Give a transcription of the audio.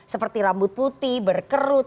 seperti rambut putih berkerut